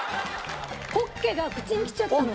ポッケが口にきちゃったのか。